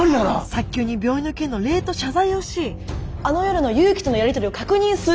早急に病院の件の礼と謝罪をしあの夜の祐樹とのやり取りを確認するんです。